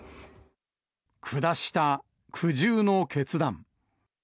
下した苦渋の決断。